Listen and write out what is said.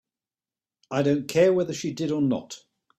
I don't care whether she did or not.